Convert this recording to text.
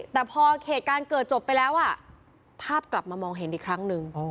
แต่พอเหตุการณ์เกิดจบไปแล้วภาพกลับมามองเห็นอีกครั้งหนึ่ง